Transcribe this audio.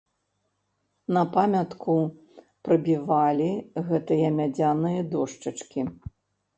На памятку прыбівалі гэтыя мядзяныя дошчачкі.